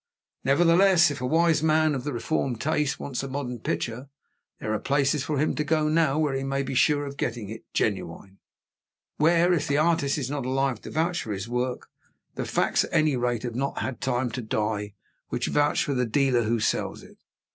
Nevertheless, if a wise man of the reformed taste wants a modern picture, there are places for him to go to now where he may be sure of getting it genuine; where, if the artist is not alive to vouch for his work, the facts at any rate have not had time to die which vouch for the dealer who sells it.